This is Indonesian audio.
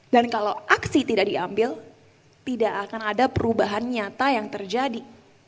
dan kalau aksi tidak diambil tidak akan ada perubahan nyata yang terjadi